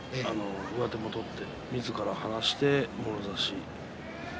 上手を取って、みずから離してもろ差し。